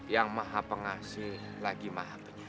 yang maha pengasih lagi maha